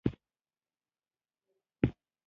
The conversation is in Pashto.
د لوړو لګښتونو د مخنيوي په هکله يې څرګندونې وکړې.